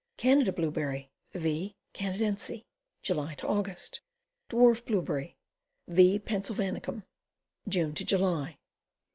Canada Blueberry. V. Canadense. July Aug. Dwarf Blueberry. V. Pennsylvanicum. June July.